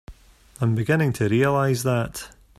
I'm beginning to realize that.